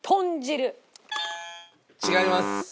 違います。